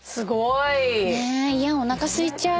いやおなかすいちゃう。